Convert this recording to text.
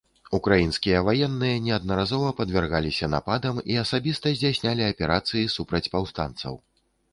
Украінскія ваенныя неаднаразова падвяргаліся нападам і асабіста здзяйснялі аперацыі супраць паўстанцаў.